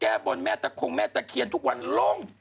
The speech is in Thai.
แก้บนแม่ตะโครงแม่ตะเคียนทุกวันโร่งโร่งเลย